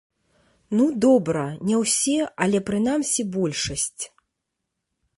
Ну, добра, не ўсе, але, прынамсі, большасць.